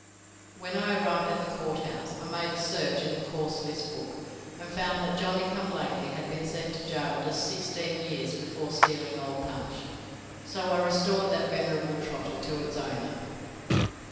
When I arrived at the court house, I made a search in the cause list book, and found that Johnny come lately had been sent to gaol just sixteen years before for stealing Old Punch, so I restored that venerable trotter to its owner.